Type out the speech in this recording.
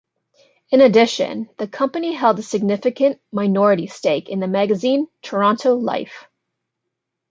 In addition, the company held a significant minority stake in the magazine "Toronto Life".